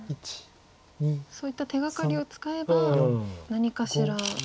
そういった手がかりを使えば何かしら手にはなりそう。